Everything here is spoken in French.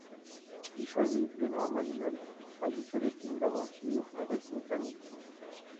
Il choisit Benoît Magimel, habitué des films d'aventures avec mécaniques.